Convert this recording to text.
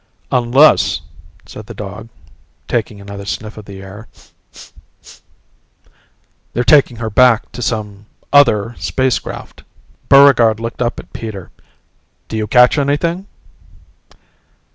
"Unless," said the dog taking another sniff of the air, "they're taking her back to some other spacecraft." Buregarde looked up at Peter. "Do you catch anything?"